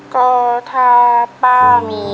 ก็ถ้าป้ามี